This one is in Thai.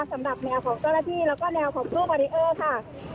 สำหรับแนวของเจ้าระที่และในต้านาวของตู้คอนเทนเนอร์ค่ะ